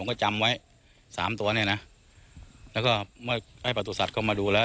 ผมก็จำไว้สามตัวเนี้ยนะแล้วก็ให้ประตูสัตว์เขามาดูแล้ว